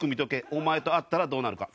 お前と会ったらどうなるか。